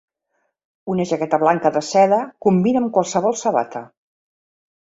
Una jaqueta blanca de seda combina amb qualsevol sabata.